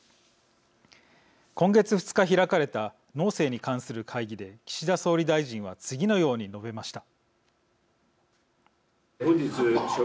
今月２日、開かれた農政に関する会議で岸田総理大臣は次のように述べました。